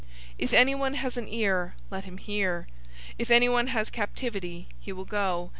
013:009 If anyone has an ear, let him hear. 013:010 If anyone has captivity, he will go.